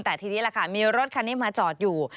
แต่ทีนี้ล่ะค่ะมีรถคันนี้มาจอดอยู่